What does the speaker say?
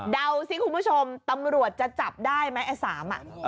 สิคุณผู้ชมตำรวจจะจับได้ไหมไอ้สามอ่ะ